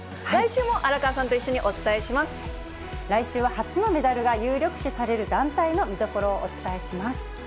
来週も荒川さんと一緒にお伝えし来週は初のメダルが有力視される団体の見どころをお伝えします。